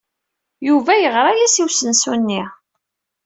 Yuba yeɣra-as i usensu-nni.